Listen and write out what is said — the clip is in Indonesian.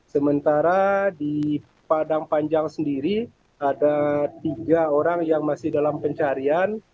sementara di padang panjang sendiri ada tiga orang yang masih dalam pencarian